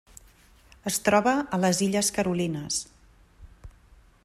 Es troba a les Illes Carolines.